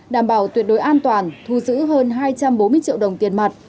đảm bảo tuyệt đối an toàn thu giữ hơn hai trăm bốn mươi triệu đồng tiền mặt